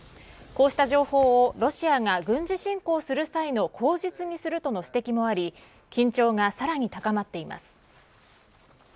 こうした情報をロシアが軍事侵攻する際の口実にするとの指摘もあり緊張がさらに高まっています。